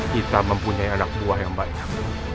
kita mempunyai anak buah yang banyak